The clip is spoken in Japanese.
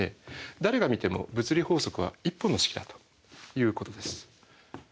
誰が見ても物理法則は１本の式だということです。